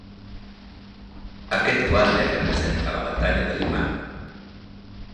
Aquest quadre representa la batalla de Lepant.